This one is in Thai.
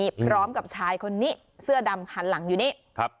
พร้อมกับชายคนนี้เสื้อดำหันหลังอยู่นี่ครับ